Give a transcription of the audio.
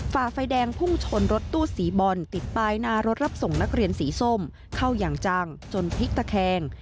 ฝ่าไฟแดงพุ่งชนรถตู้สีบอลติดปลายหน้ารถรับส่งนักเรียนสีส้มเข้าอย่างจังจนพลิกตะแคง